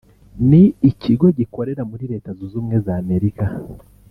ni ikigo gikorera muri Leta Zunze Ubumwe z’Amerika